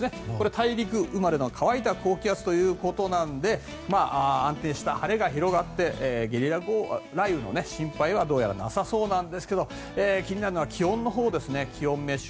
大陸生まれの乾いた高気圧ということで安定した晴れが広がってゲリラ雷雨の心配はどうやらなさそうですが気になるのは気温ですね。